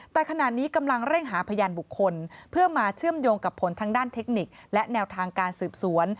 แต่ขณะนี้กำลังเร่งหาพยานบุคคลเพื่อมาเชื่อมโยงกับผลทางด้านเทคนิคและแนวทางการสืบสวน